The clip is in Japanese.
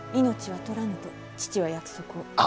命は取らぬと父は約束を。